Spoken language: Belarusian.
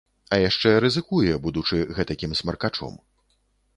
А яшчэ рызыкуе, будучы гэтакім смаркачом.